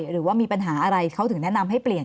หรือว่ามีปัญหาอะไรเขาถึงแนะนำให้เปลี่ยน